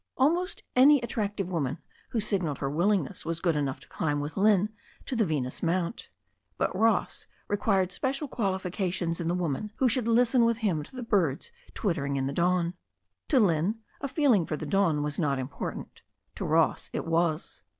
Almost any attractive woman who signified her willingness was good enough to climb with Lynne to the Venus Mount. But Ross required special qualifications in the woman who should listen with him to the birds twittering in the dawn. To Lynne a feeling for the dawn was not important. To Ross it was.